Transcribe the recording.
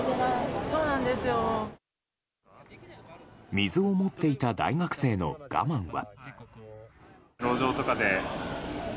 水を持っていた大学生の我慢は。